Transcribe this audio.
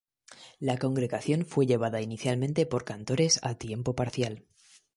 La congregación fue llevada inicialmente por cantores a tiempo parcial.